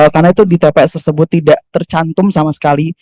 karena itu di tps tersebut tidak tercantum sama sekali